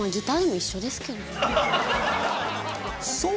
そう？